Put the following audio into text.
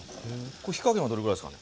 これ火加減はどれぐらいですかね？